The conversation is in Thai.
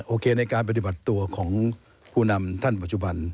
โอเคในการปฏิบัติตัวของผู้นำท่านปัจจุบัน